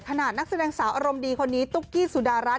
นักแสดงสาวอารมณ์ดีคนนี้ตุ๊กกี้สุดารัฐ